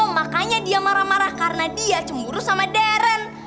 makanya dia marah marah karena dia cemburu sama deren